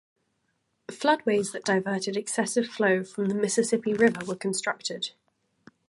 Floodways that diverted excessive flow from the Mississippi River were constructed.